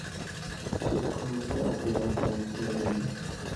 She proved a rare find for me.